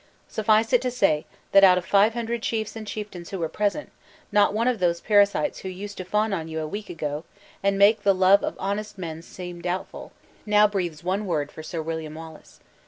Suffice it to say, that out of five hundred chiefs and chieftains who were present, not one of those parasites who used to fawn on you a week ago, and make the love of honest men seem doubtful, now breathes one word for Sir William Wallace.